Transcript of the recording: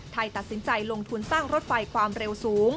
ตัดสินใจลงทุนสร้างรถไฟความเร็วสูง